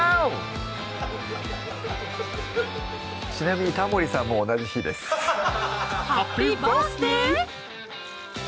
ちなみにタモリさんも同じ日ですハッピーバースデー！